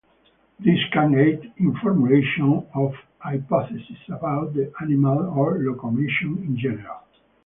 These can aid in formulation of hypotheses about the animal or locomotion in general.